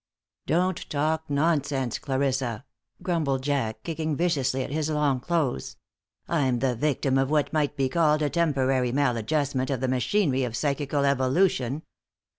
"Don't talk nonsense, Clarissa," grumbled Jack, kicking viciously at his long clothes. "I'm the victim of what might be called a temporary maladjustment of the machinery of psychical evolution.